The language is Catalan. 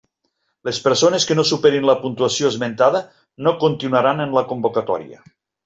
Les persones que no superin la puntuació esmentada no continuaran en la convocatòria.